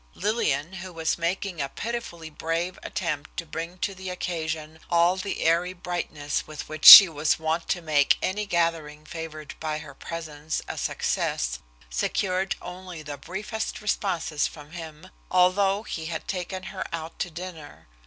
Lillian, who was making a pitifully brave attempt to bring to the occasion all the airy brightness with which she was wont to make any gathering favored by her presence a success, secured only the briefest responses from him, although he had taken her out to dinner.